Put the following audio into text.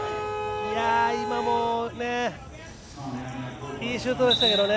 今もいいシュートでしたけどね。